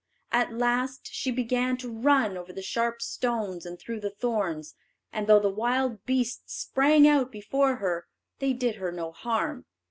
At last she began to run over the sharp stones and through the thorns, and though the wild beasts sprang out before her, they did her no harm.